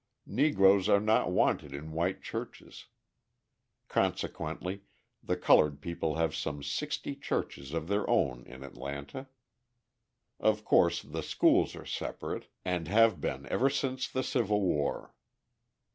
Negroes are not wanted in white churches. Consequently the coloured people have some sixty churches of their own in Atlanta. Of course, the schools are separate, and have been ever since the Civil War.